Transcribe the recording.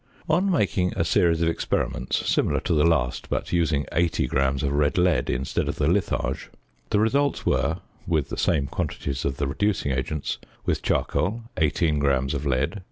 On making a series of experiments (similar to the last, but using 80 grams of red lead instead of the litharge) the results were, with the same quantities of the reducing agents: With charcoal, 18 grams of lead.